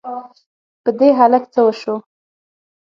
په دې هلک څه وشوو؟!